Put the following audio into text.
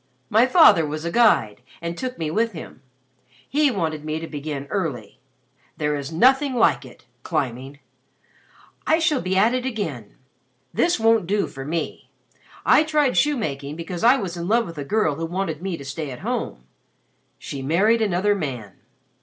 My father was a guide and took me with him. He wanted me to begin early. There is nothing like it climbing. I shall be at it again. This won't do for me. I tried shoemaking because I was in love with a girl who wanted me to stay at home. She married another man.